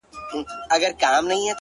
درته دعاوي هر ماښام كومه،